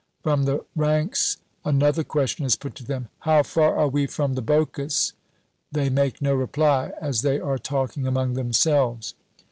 From the ranks another question is put to them, "How far are we from the Boches?" They make no reply, as they are talking among themselves.